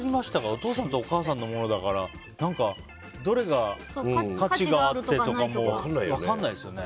お父さんとお母さんのものだからどれが価値があるかとか分からないですよね。